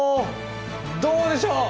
どうでしょう？